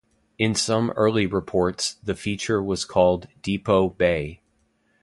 In some early reports the feature was called "Depot Bay".